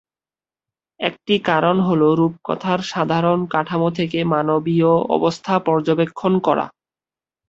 একটি কারণ হল রূপকথার সাধারণ কাঠামো থেকে মানবীয় অবস্থা পর্যবেক্ষণ করা।